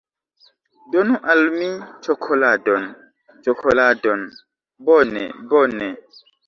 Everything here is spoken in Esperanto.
Donu al mi ĉokoladon. Ĉokoladon. Bone. Bone.